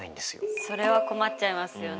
それは困っちゃいますよね。